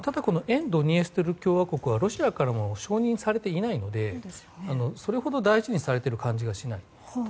沿ドニエストル共和国はロシアからも承認されていないのでそれほど大事にされている感じがしない。